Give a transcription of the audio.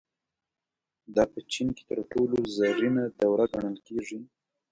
دا په چین کې تر ټولو زرینه دوره ګڼل کېږي.